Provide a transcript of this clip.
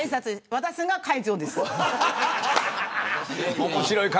私が会長です。